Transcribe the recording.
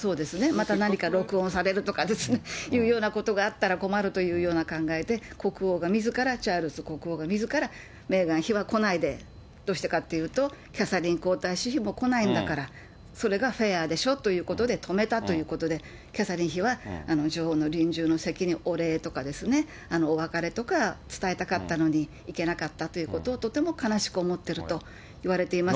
また何か録音されるとかですね、いうようなことがあったら困るというような考えで、国王がみずから、チャールズ国王がみずからメーガン妃は来ないで、どうしてかっていうとキャサリン皇太子妃も来ないんだから、それがフェアでしょということで止めたということで、キャサリン妃は女王の臨終の席にお礼とかお別れとか、伝えたかったのに、行けなかったということをとても悲しく思っているといわれています。